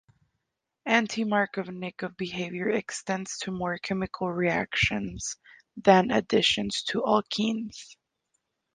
Anti-Markovnikov behaviour extends to more chemical reactions than additions to alkenes.